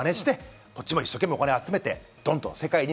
こっちも一生懸命、お金を集めてドンとやる。